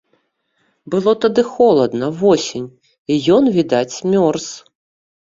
Было тады холадна, восень, і ён, відаць, мёрз.